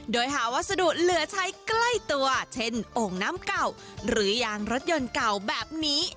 โดยหาวัสดุเหลือใช้ใกล้ตัวเช่นโอ่งน้ำเก่าหรือยางรถยนต์เก่าแบบนี้